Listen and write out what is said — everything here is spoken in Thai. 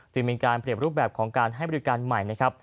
จึงมีการเปรียบรูปแบบของการให้บริการใหม่นะครับ